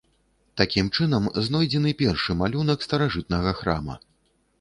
Такім чынам, знойдзены першы малюнак старажытнага храма.